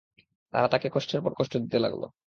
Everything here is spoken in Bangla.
তারা তাকে কষ্টের পর কষ্ট দিতে লাগল।